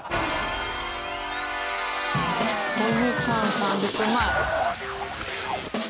５時間３０分前。